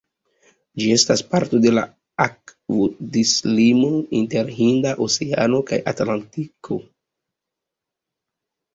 Ĝi estas parto de la akvodislimo inter Hinda Oceano kaj Atlantiko.